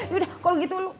yaudah kalo gitu lo